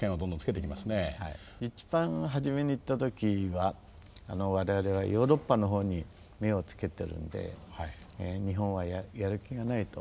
一番初めに行った時は「我々はヨーロッパのほうに目をつけてるんで日本はやる気がない」と。